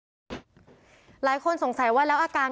ก็เลยต้องรีบไปแจ้งให้ตรวจสอบคือตอนนี้ครอบครัวรู้สึกไม่ไกล